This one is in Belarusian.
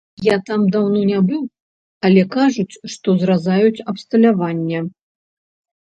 Я там даўно не быў, але кажуць, што зразаюць абсталяванне.